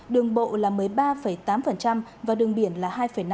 đường bộ là một mươi ba tám và đường biển là hai năm